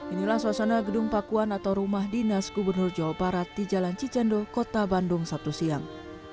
inilah suasana gedung pakuan atau rumah dinas gubernur jawa barat di jalan cicendo kota bandung sabtu siang